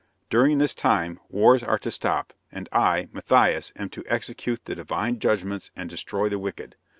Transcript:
During this time, wars are to stop, and I, Matthias, am to execute the divine judgments and destroy the wicked.